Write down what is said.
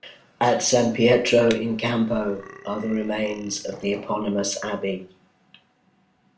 At San Pietro in Campo are the remains of the eponymous abbey.